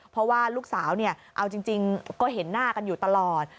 เพราะว่าลูกสาวเนี่ยเอาจริงก็เห็นหน้ากันอยู่ตลอด